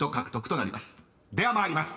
［では参ります。